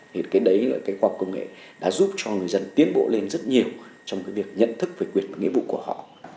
thì cái đấy là cái khoa học công nghệ đã giúp cho người dân tiến bộ lên rất nhiều trong cái việc nhận thức về quyền và nghĩa vụ của họ